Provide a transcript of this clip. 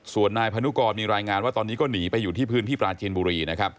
ส่วนนายพนุกรมีรายงานว่าตอนนี้ก็หนีไปอยู่ที่พื้นที่ปลาจีนบุรีนะครับ